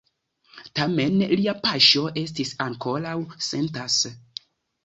Tamen, lia paŝo estis ankoraŭ sentas.